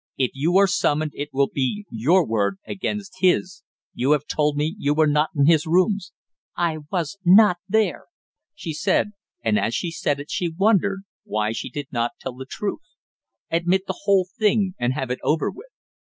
If you are summoned, it will be your word against his; you have told me you were not in his rooms " "I was not there " she said, and as she said it she wondered why she did not tell the truth, admit the whole thing and have it over with.